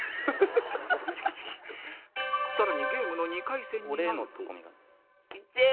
更にゲームの２回戦になると